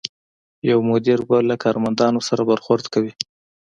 یو مدیر به له کارمندانو سره برخورد کوي.